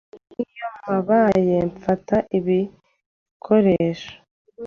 Nk‘iyo mbabaye mfata ibikoresho